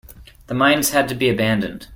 The mines had to be abandoned.